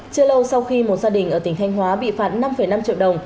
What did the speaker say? chưa lâu sau khi một gia đình ở tỉnh thanh hóa bị phạt năm năm triệu đồng